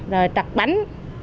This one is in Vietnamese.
rồi chặt bánh